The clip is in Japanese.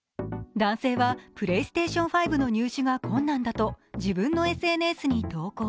男性はプレイステーション５の入手が困難だと自分のＳＮＳに投稿。